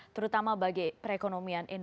terutama bagi perekonomian